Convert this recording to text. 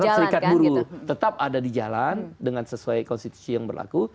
termasuk serikat buruh tetap ada di jalan dengan sesuai konstitusi yang berlaku